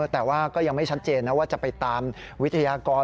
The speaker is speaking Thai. แต่ว่าก็ยังไม่ชัดเจนนะว่าจะไปตามวิทยากร